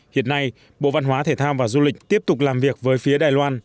hiện nay bộ văn hóa thể thao và du lịch tiếp tục làm việc với phía đài loan